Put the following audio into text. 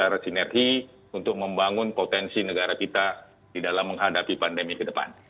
dan bisa secara sinergi untuk membangun potensi negara kita di dalam menghadapi pandemi ke depan